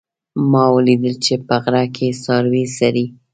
ما ولیدل چې په غره کې څاروي څري